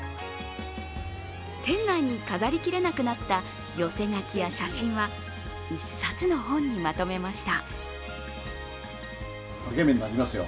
店内に飾りきれなくなった寄せ書きや写真は一冊の本にまとめました。